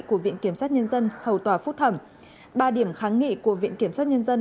của viện kiểm sát nhân dân hầu tòa phúc thẩm ba điểm kháng nghị của viện kiểm sát nhân dân